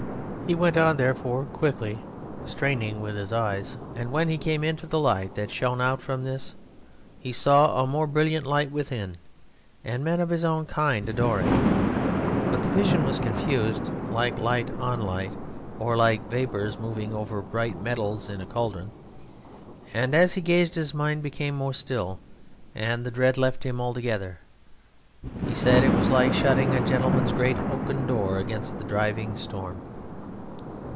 He went on therefore quickly, straining with his eyes, and when he came into the light that shone out from this he saw a more brilliant light within, and men of his own kind adoring; but the vision was confused, like light on light or like vapours moving over bright metals in a cauldron, and as he gazed his mind became still and the dread left him altogether. He said it was like shutting a gentleman's great oaken door against a driving storm.